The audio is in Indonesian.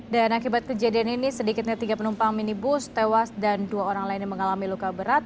dan akibat kejadian ini sedikitnya tiga penumpang minibus tewas dan dua orang lain yang mengalami luka berat